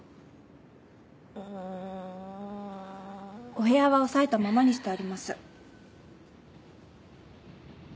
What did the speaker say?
お部屋は押さえたままにしてあります。